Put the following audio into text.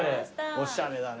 おしゃれだね。